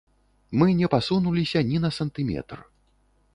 Мы не пасунуліся ні на сантыметр.